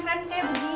ya sudah ya